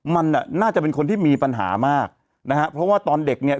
มันอ่ะน่าจะเป็นคนที่มีปัญหามากนะฮะเพราะว่าตอนเด็กเนี่ย